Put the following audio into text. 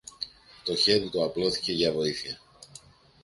Το χέρι του απλώθηκε για βοήθεια